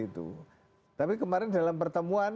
itu tapi kemarin dalam pertemuan